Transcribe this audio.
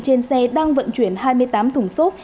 trên xe đang vận chuyển hai mươi tám thùng xốp